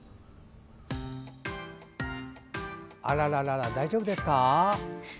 あららら大丈夫ですか？